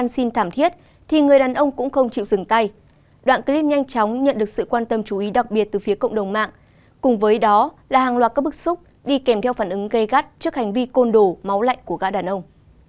đi kèm theo phản ứng gây gắt trước hành vi côn đồ máu lạnh của các đàn ông